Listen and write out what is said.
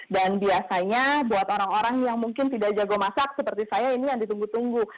dan biasanya buat orang orang yang mungkin tidak jago masak seperti saya ini yang ditunggu tunggu